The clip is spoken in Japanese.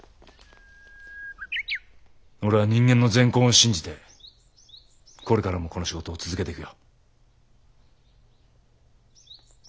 俺は人間の善根を信じてこれからもこの仕事を続けていくよ。